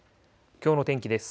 きょうの天気です。